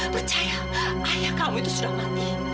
percaya ayah kamu itu sudah mati